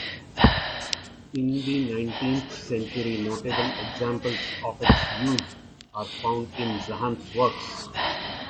In the nineteenth century, notable examples of its use are found in Brahms's works.